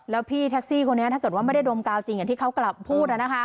แล้วพี่แท็กซี่คนนี้ถ้าเกิดว่าไม่ได้ดมกาวจริงอย่างที่เขากลับพูด